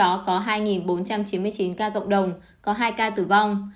trong đó có hai bốn trăm chín mươi chín ca cộng đồng có hai ca tử vong